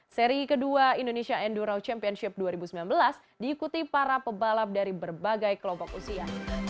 seri kedua indonesia enduro championship dua ribu sembilan belas diikuti para pebalap dari berbagai kelompok usia